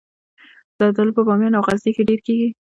زردالو په بامیان او غزني کې ډیر کیږي